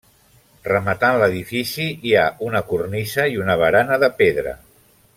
Rematant l'edifici hi ha una cornisa i una barana de pedra.